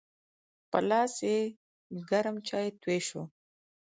په لاس یې ګرم چای توی شو.